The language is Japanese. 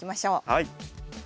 はい。